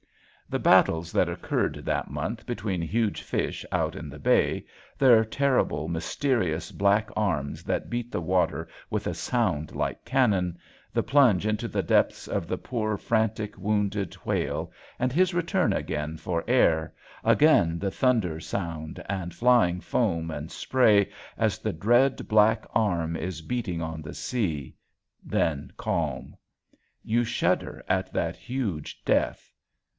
The battles that occurred that month between huge fish out in the bay, their terrible, mysterious, black arms that beat the water with a sound like cannon, the plunge into the depths of the poor, frantic, wounded whale, and his return again for air; again the thunder sound and flying foam and spray as the dread black arm is beating on the sea; then calm. You shudder at that huge death.